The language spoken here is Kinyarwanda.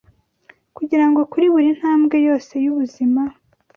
kugira ngo kuri buri ntambwe yose y’ubuzima